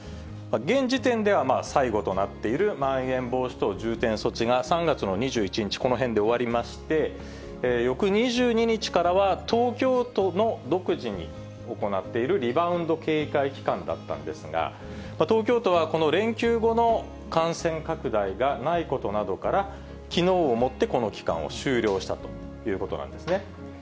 現時点では最後となっているまん延防止等重点措置が、３月の２１日、このへんで終わりまして、翌２２日からは、東京都の独自に行っているリバウンド警戒期間だったんですが、東京都はこの連休後の感染拡大がないことなどから、きのうをもって、この期間を終了したということなんですね。